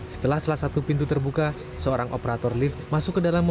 setelah salah satu pintu terbuka seorang operator lift masuk ke dalam mobil